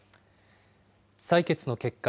採決の結果、